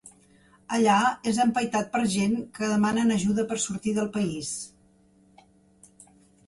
Allà, és empaitat per gent que demanen ajuda per sortir del país.